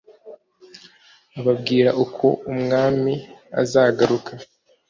ababwira uko umwami azagaruka